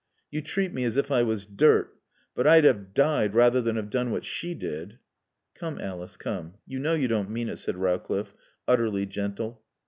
"You treat me as if I was dirt, but I'd have died rather than have done what she did." "Come, Alice, come. You know you don't mean it," said Rowcliffe, utterly gentle.